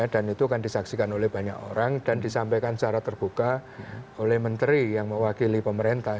dan itu kan disaksikan oleh banyak orang dan disampaikan secara terbuka oleh menteri yang mewakili pemerintah